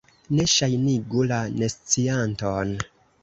Ne ŝajnigu la nescianton.